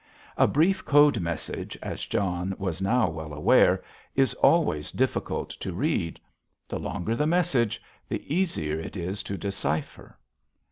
A brief code message, as John was now well aware, is always difficult to read. The longer the message, the easier is it to decipher.